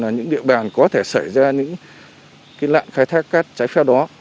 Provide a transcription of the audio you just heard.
những địa bàn có thể xảy ra những nạn khai thác cát trái phép đó